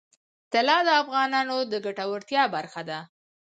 طلا د افغانانو د ګټورتیا برخه ده.